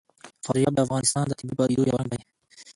فاریاب د افغانستان د طبیعي پدیدو یو رنګ دی.